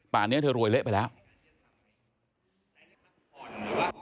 นี้เธอรวยเละไปแล้ว